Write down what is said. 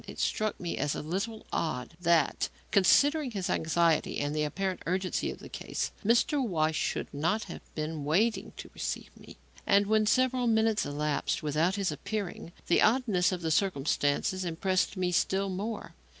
It struck me as a little odd that, considering his anxiety and the apparent urgency of the case, Mr. Weiss should not have been waiting to receive me. And when several minutes elapsed without his appearing, the oddness of the circumstance impressed me still more.